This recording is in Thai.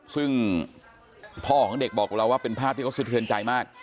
ซึ่งพ่อของเด็กบอกกับเราว่าเป็นภาพที่เขาสะเทือนใจมาก